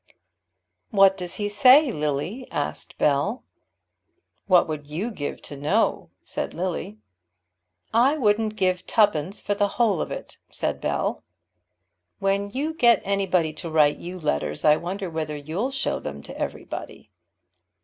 "What does he say, Lily?" asked Bell. "What would you give to know?" said Lily. "I wouldn't give twopence for the whole of it," said Bell. "When you get anybody to write to you letters, I wonder whether you'll show them to everybody?"